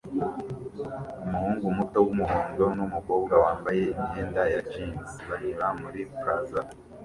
Umuhungu muto wumuhondo numukobwa wambaye imyenda ya jeans banyura muri plaza